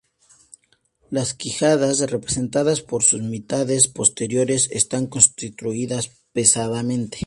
Las quijadas, representadas por sus mitades posteriores, están construidas pesadamente.